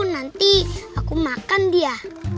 nanti aku makan dia